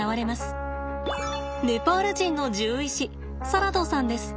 ネパール人の獣医師サラドさんです。